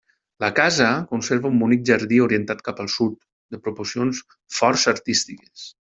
La casa conserva un bonic jardí orientat cap al sud, de proporcions força artístiques.